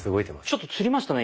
ちょっとつりましたね